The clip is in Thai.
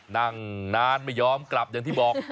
นั่งนานไม่ยอมกลับอย่างที่บอก